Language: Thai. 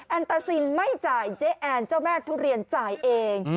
ตาซิมไม่จ่ายเจ๊แอนเจ้าแม่ทุเรียนจ่ายเอง